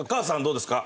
どうですか？